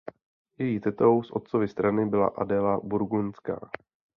Její tetou z otcovy strany byla Adéla Burgundská.